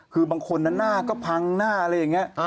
คือบางคนหน้าก็พังหน้าอะไรอย่างนี้